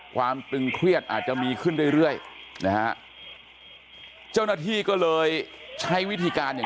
ตึงเครียดอาจจะมีขึ้นเรื่อยนะฮะเจ้าหน้าที่ก็เลยใช้วิธีการอย่าง